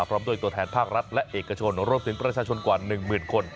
พร้อมด้วยตัวแทนภาครัฐและเอกชนรวมถึงประชาชนกว่า๑หมื่นคน